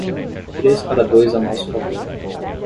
Três para dois a nosso favor.